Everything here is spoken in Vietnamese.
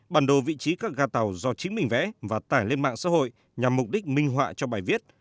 bản đồ vị trí các ga tàu do chính mình vẽ và tải lên mạng xã hội nhằm mục đích minh họa cho bài viết